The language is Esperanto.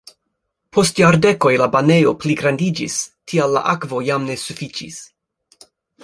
Post jardekoj la banejo pligrandiĝis, tial la akvo jam ne sufiĉis.